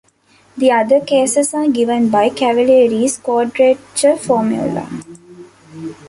The other cases are given by Cavalieri's quadrature formula.